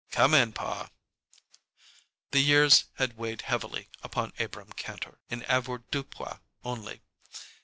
"Come in, pa." The years had weighed heavily upon Abrahm Kantor in avoirdupois only.